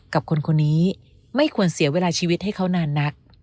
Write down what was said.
กับคนคนนี้ไม่ควรเสียเวลาชีวิตให้เขานานนัก